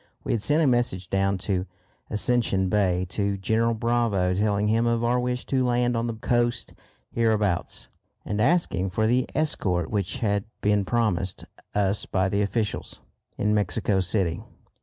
We had sent a message down to Ascension Bay to General Bravo telling him of our wish to land on the coast hereabouts, and asking for the escort which had been promised us by the officials in Mexico City.